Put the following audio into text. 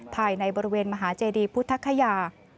ภายในบริเวณมหาเจดีพุทธคยา